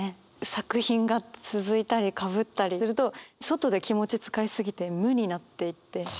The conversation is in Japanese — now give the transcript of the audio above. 作品が続いたりかぶったりすると外で気持ち使い過ぎて無になっていって。